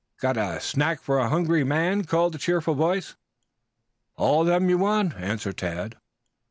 "Got a snack for a hungry man?" called a cheerful voice. "All of them you want," answered Tad.